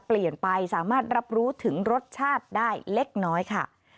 เปลี่ยนไปสามารถรับรู้ถึงรสชาติได้เล็กน้อยค่ะ